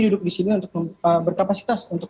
duduk disini untuk berkapasitas untuk